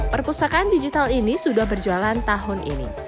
perpustakaan digital ini sudah berjualan tahun ini